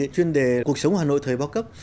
chuyên đề cuộc sống hà nội thời bao cấp